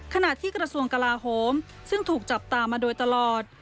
ขณะที่กระทรวงกลาโหมซึ่งถูกจับตามาโดยตลอด